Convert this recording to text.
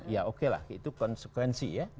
ya okelah itu konsekuensi ya